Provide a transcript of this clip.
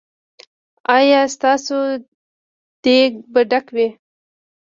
ایا ستاسو دیګ به ډک وي؟